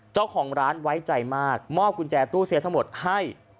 เจ้าของร้านไว้ใจมากมอบกุญแจตู้เสียทั้งหมดให้